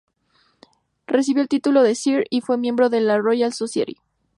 Recibió el título de sir y fue miembro de la Royal Society.